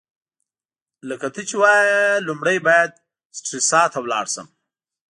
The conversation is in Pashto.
لکه ته چي وايې، لومړی باید سټریسا ته ولاړ شم.